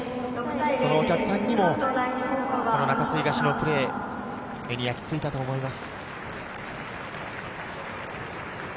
お客さんにも中津東のプレー、目に焼き付いたと思います。